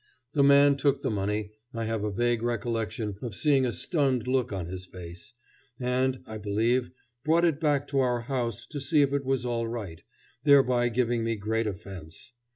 The man took the money I have a vague recollection of seeing a stunned look on his face and, I believe, brought it back to our house to see if it was all right, thereby giving me great offence.